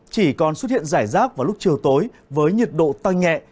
chỉ còn xuất hiện rải rác vào lúc chiều tối với nhiệt độ tăng nhẹ